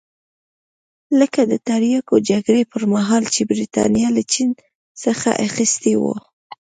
لکه د تریاکو جګړې پرمهال چې برېټانیا له چین څخه اخیستي وو.